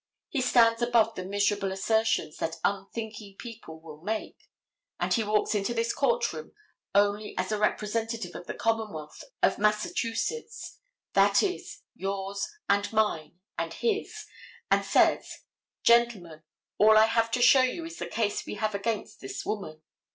He stands above the miserable assertions that unthinking people will make, and he walks into this court room only as the representative of the commonwealth of Massachusetts, that is, yours and mine and his, and says: Gentlemen, all I have to show you is the case we have against this woman.